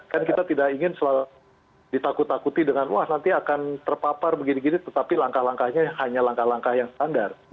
kan kita tidak ingin selalu ditakut takuti dengan wah nanti akan terpapar begini gini tetapi langkah langkahnya hanya langkah langkah yang standar